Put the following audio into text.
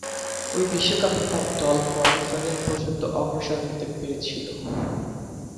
ঐ বিশ্বকাপে তার দল কোয়ার্টার ফাইনাল পর্যন্ত অগ্রসর হতে পেরেছিল।